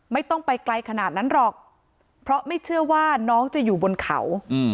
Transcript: ไม่ต้องไปไกลขนาดนั้นหรอกเพราะไม่เชื่อว่าน้องจะอยู่บนเขา